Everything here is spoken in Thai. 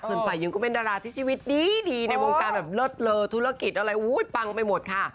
ส่วนฝ่ายหญิงก็เป็นดาราที่ชีวิตดีในวงการแบบเลิศเลอธุรกิจอะไรปังไปหมดค่ะ